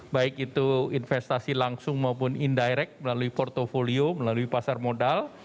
baik itu investasi langsung maupun indirect melalui portfolio melalui pasar modal